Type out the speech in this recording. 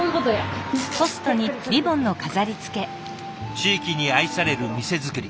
地域に愛される店作り。